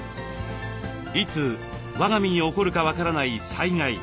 いつわが身に起こるか分からない災害。